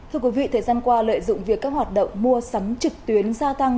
thưa quý vị thời gian qua lợi dụng việc các hoạt động mua sắm trực tuyến gia tăng